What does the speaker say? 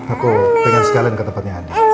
aku pengen sekalian ke tempatnya ada